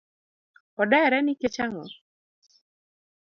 Odere nikech ang’o?